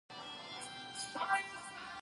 خپل رګونه مې تسمې کړې